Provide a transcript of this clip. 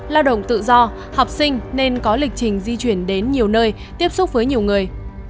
lao động tự do học sinh nên có lịch trình di chuyển đến nhiều nơi tiếp xúc với nhiều người